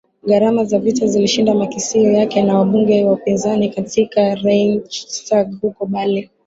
gharama za vita zilishinda makisio yake na wabunge wa upinzani katika Reichstag huko Berlin